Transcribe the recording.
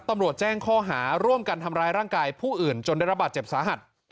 ตำรวจแจ้งข้อหาร่วมกันทำร้ายร่างกายผู้อื่นจนได้รับบาดเจ็บสาหัส